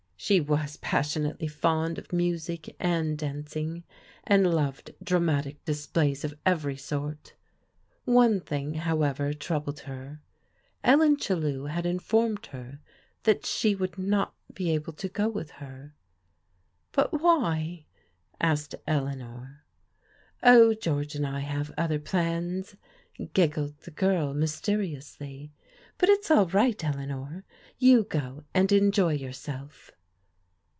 She was passionately fond of music and dancing, and loved dramatic displays of every sort. One thing, however, troubled her: Ellen Chellew had informed her that she would not be able to go with her. " But why?*' asked Eleanor. Oh, George and I have other plans," giggled the girl mysteriously. "But it's all right, Eleanor; you go and enjoy yourself."